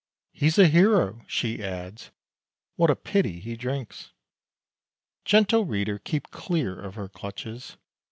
"He's a hero!" (She adds:) "What a pity he drinks!" Gentle Reader, keep clear of her clutches!